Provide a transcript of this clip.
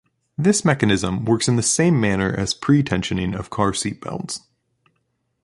This mechanism works in the same manner as pre-tensioning of car seatbelts.